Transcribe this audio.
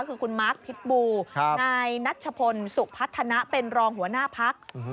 คือคุณมาร์คพิษบูนายนัชพลสุพัฒนะเป็นรองหัวหน้าพัก